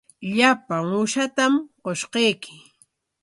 Llapan uushatam qushqayki.